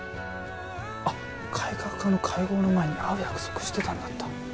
あっ改革派の会合の前に会う約束してたんだった。